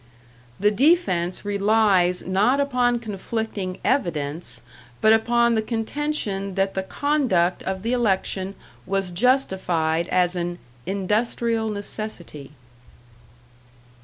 "The defence relies not upon conflicting evidence, but upon the contention that the conduct of the election was justified as an 'industrial necessity.'